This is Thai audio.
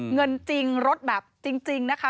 เงินจริงลดแบบจริงนะคะ